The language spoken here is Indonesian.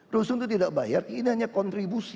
rusun itu tidak bayar ini hanya kontribusi